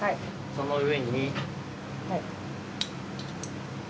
その上に。